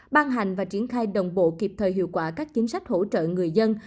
ban hành và triển khai đồng bộ kịp thời hiệu quả các chính sách hỗ trợ người dân